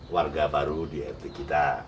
warga baru di rt kita